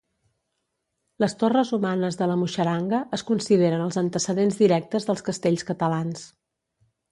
Les torres humanes de la Muixeranga es consideren els antecedents directes dels castells catalans.